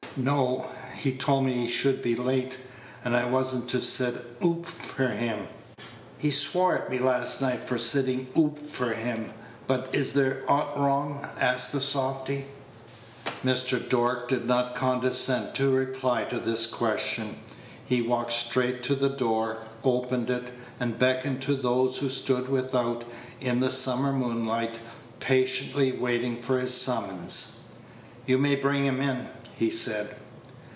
"No. He told me he should be late, and I was n't to sit oop for him. He swore at me last night for sitting oop for him. But is there aught wrong?" asked the softy. Mr. Dork did not condescend to reply to this question. He walked straight to the door, opened it, and beckoned to those who stood without in the summer moonlight, patiently waiting for his summons. "You may bring him in," he said.